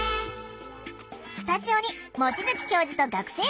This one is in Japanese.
スタジオに望月教授と学生たちが登場！